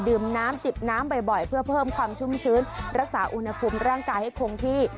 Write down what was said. ดื่มน้ำจิบน้ำบ่อยเพื่อเพิ่มความชุ่มชื้นรักษาอุณหภูมิร่างกายให้คงที่